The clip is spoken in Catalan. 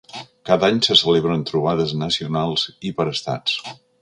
Cada any se celebren trobades nacionals i per estats.